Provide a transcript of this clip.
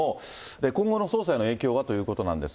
今後の捜査への影響はということなんですが。